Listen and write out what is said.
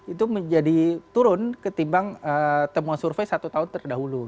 itu menjadi turun ketimbang temuan survei satu tahun terdahulu